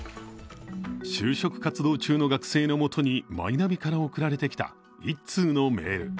就職活動中の学生のもとにマイナビから送られてきた１通のメール。